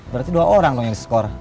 berarti dua orang dong yang diskor